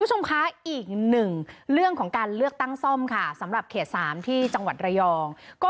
ดูสวมค้าอีก๑เรื่องของการเลือกตั้งซ่อมสำหรับเขต๓ที่จังหวัดระยอง